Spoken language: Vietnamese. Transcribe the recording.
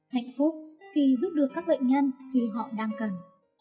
hạnh phúc khi giúp được các bệnh nhân khi họ đang cần